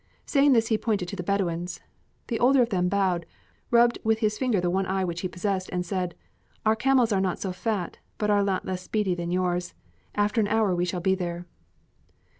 Saying this he pointed to the Bedouins. The older of them bowed, rubbed with his finger the one eye which he possessed, and said: "Our camels are not so fat but are not less speedy than yours. After an hour we shall be there."